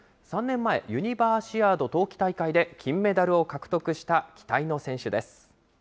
３年前、ユニバーシアード冬季大会で金メダルを獲得した期待の選手です。